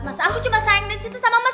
mas aku cuma sayang dan cinta sama mas